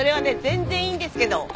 全然いいんですけど。